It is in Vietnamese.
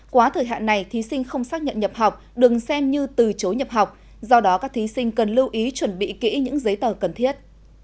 quá thời hạn này thí sinh không xác nhận nhập học đừng xem như từ chối nhập học do đó các thí sinh cần lưu ý chuẩn bị kỹ những giấy tờ cần thiết